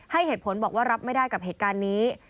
ให้เหตุผลบอกว่ารับไม่ได้กับเหตุการณ์นี้